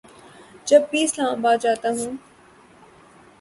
جب بھی اسلام آباد جاتا ہوں